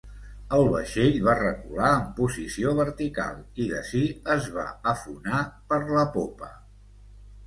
El vaixell va recular en posició vertical i d'ací es va afonar per la popa.